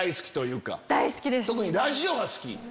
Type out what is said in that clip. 特にラジオが好き。